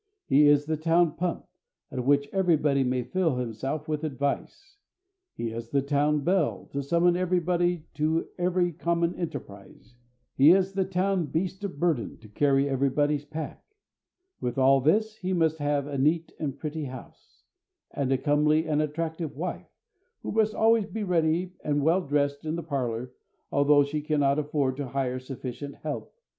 He is the town pump, at which everybody may fill himself with advice. He is the town bell, to summon everybody to every common enterprise. He is the town beast of burden, to carry everybody's pack. With all this he must have a neat and pretty house, and a comely and attractive wife, who must be always ready and well dressed in the parlor, although she cannot afford to hire sufficient "help."